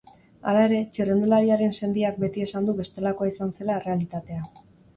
Hala ere, txirrindulariaren sendiak beti esan du bestelakoa izan zela errealitatea.